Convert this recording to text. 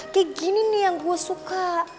kayak gini nih yang gue suka